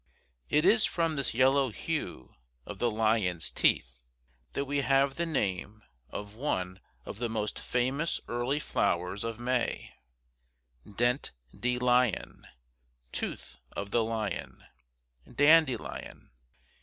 It is from this yellow hue of the lion's teeth that we have the name of one of the most famous early flowers of May: dent de lion, tooth of the lion; dandelion.